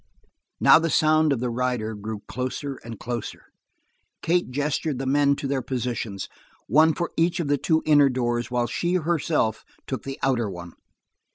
Now the sound of the rider blew closer and closer. Kate gestured the men to their positions, one for each of the two inner doors while she herself took the outer one.